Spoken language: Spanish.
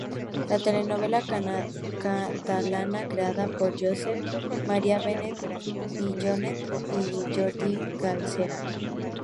La telenovela catalana creada por Josep Maria Benet i Jornet y Jordi Galcerán.